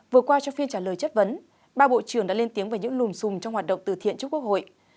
vừa qua trong phiên trả lời chất vấn ba bộ trưởng đã lên tiếng về những lùm xùm trong hoạt động từ thiện trước quốc hội